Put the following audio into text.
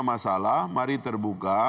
masalah mari terbuka